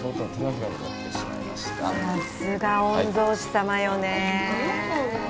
さすが御曹司様よね